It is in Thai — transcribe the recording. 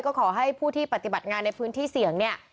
ก็ขอให้ผู้ที่ปฏิบัติงานในพื้นที่เสี่ยงเนี่ย